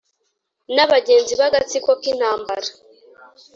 N'abagenzi b'agatsiko k’intambara